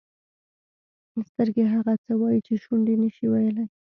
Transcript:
سترګې هغه څه وایي چې شونډې نه شي ویلای.